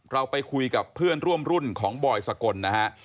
เราไปคุยกับเพื่อนร่วมรุ่นของบอยสกลนะฮะ